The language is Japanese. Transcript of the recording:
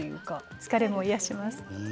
疲れも癒やします。